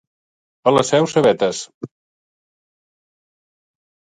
A la Seu, cebetes.